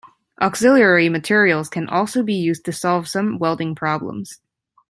Auxiliary materials can also be used to solve some welding problems.